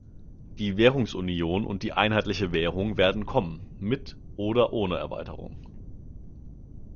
Die Währungsunion und die einheitliche Währung werden kommen, mit oder ohne Erweiterung.